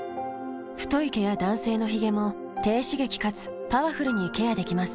太い毛や男性のヒゲも低刺激かつパワフルにケアできます。